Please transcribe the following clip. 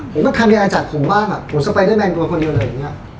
โหมันคำในอาจารย์ผมบ้างอ่ะผมสไปเดอร์แมนตัวคนเดียวเลยอย่างเงี้ย